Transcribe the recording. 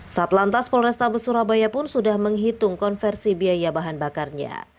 satlantas polrestabes surabaya pun sudah menghitung konversi biaya bahan bakarnya